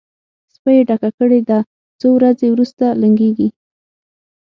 سپۍ یې ډکه کړې ده؛ څو ورځې روسته لنګېږي.